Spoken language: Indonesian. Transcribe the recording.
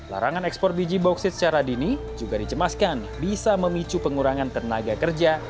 larangan ekspor biji bauksit secara dini juga dicemaskan bisa memicu pengurangan tenaga kerja